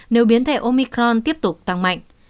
nếu biến thể omicron tiếp tục tăng mạnh